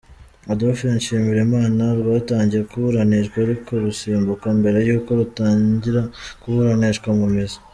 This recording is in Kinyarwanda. Adolphe Nshimirimana rwatangiye kuburanishwa, ariko rusubikwa mbere y’uko rutangira kuburanishwa mu mizi.